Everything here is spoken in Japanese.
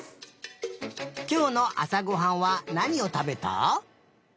きょうのあさごはんはなにをたべた？